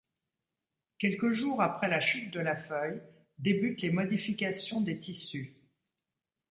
Quelques jours après la chute de la feuille, débutent les modifications des tissus.